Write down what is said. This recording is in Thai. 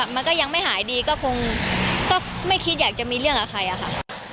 มันก็ยังไม่หายดีก็คงก็ไม่คิดอยากจะมีเรื่องกับใครอะค่ะ